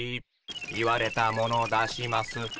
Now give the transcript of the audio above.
言われたもの出します。